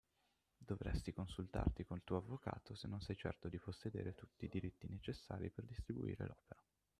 Dovresti consultarti col tuo avvocato se non sei certo di possedere tutti i diritti necessari per distribuire l'opera.